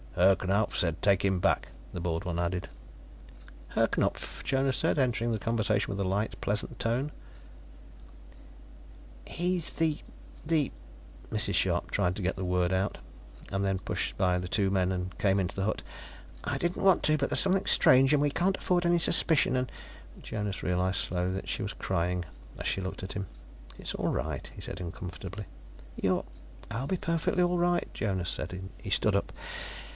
"Herr Knupf said take him back," the bald one added. "Herr Knupf?" Jonas said, entering the conversation with a light, pleasant tone. "He's the ... the " Mrs. Scharpe tried to get the word out, and then pushed by the two men and came into the hut. "I didn't want to but there's something strange, and we can't afford any suspicion, and " Jonas realized slowly that she was crying as she looked at him. "It's all right," he said uncomfortably. "You're " "I'll be perfectly all right," Jonas said. He stood up.